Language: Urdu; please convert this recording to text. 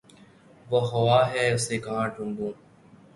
وہ ہوا ہے اسے کہاں ڈھونڈوں